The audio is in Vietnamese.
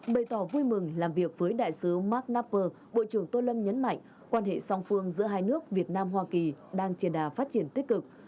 bày tỏ vui mừng làm việc với đại sứ mark nuper bộ trưởng tô lâm nhấn mạnh quan hệ song phương giữa hai nước việt nam hoa kỳ đang trên đà phát triển tích cực